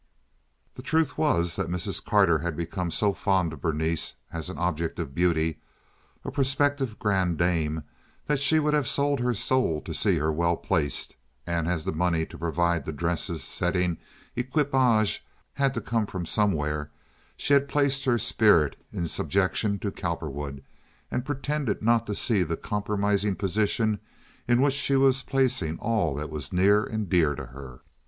The truth was that Mrs. Carter had become so fond of Berenice as an object of beauty, a prospective grande dame, that she would have sold her soul to see her well placed; and as the money to provide the dresses, setting, equipage had to come from somewhere, she had placed her spirit in subjection to Cowperwood and pretended not to see the compromising position in which she was placing all that was near and dear to her.